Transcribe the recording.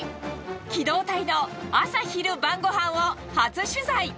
機動隊の朝昼晩ごはんを初取材。